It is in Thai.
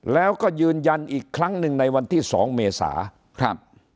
แล้วก็ยืนยันอีกครั้งนึงในวันที่๒เมษา